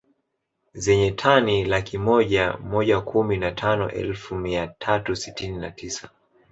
Zenye tani laki moja moja kumi na tano elfu mia tatu sitini na tisa